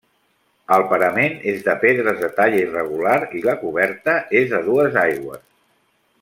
El parament és de pedres de talla irregular i la coberta és a dues aigües.